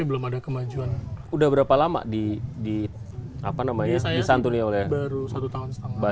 belum ada kemajuan udah berapa lama di apa namanya disantuni oleh baru satu tahun setengah